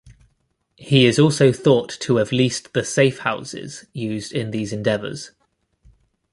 He is also thought to have leased the safehouses used in these endeavors.